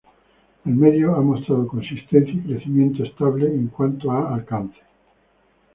El medio ha mostrado consistencia y crecimiento estable en cuanto a alcance.